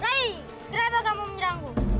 rai kenapa kamu menyerangku